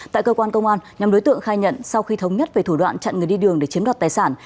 tại cơ quan công an nhóm đối tượng khai nhận sau khi thống nhất về thủ đoạn chặn người đi đường để chiếm đoạt tài sản